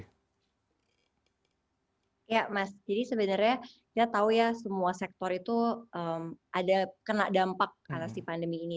ya mas jadi sebenarnya kita tahu ya semua sektor itu ada kena dampak atasi pandemi ini